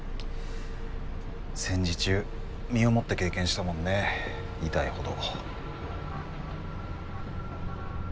戦時中身をもって経験したもんね痛いほど。